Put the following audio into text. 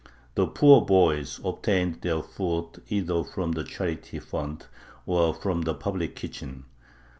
The [poor] boys obtained their food either from the charity fund or from the public kitchen.